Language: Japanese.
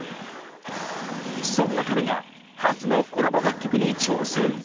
そんな彼が初のコラボ楽曲に挑戦。